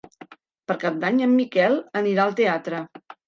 Per Cap d'Any en Miquel anirà al teatre.